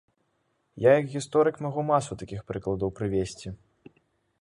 Я як гісторык магу масу такіх прыкладаў прывесці.